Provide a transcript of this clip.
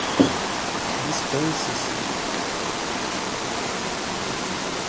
Dispensa-se